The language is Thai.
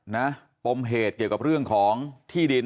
ปมเหตุเกี่ยวกับเรื่องของที่ดิน